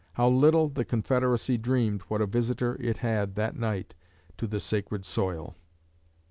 How little the Confederacy dreamed what a visitor it had that night to the 'sacred soil.'"